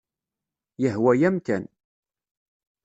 Yehwa-yam kan.